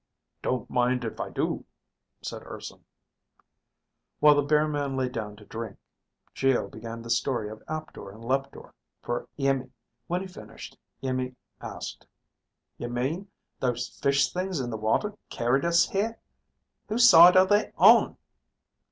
"Don't mind if I do," said Urson. While the bear man lay down to drink, Geo began the story of Aptor and Leptar for Iimmi. When he finished, Iimmi asked, "You mean those fish things in the water carried us here? Whose side are they on?"